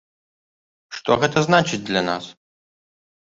Што гэта значыць для нас?